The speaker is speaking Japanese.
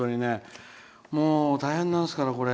大変なんですから、これ。